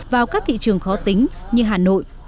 vào các thị trường khó tính như hà nội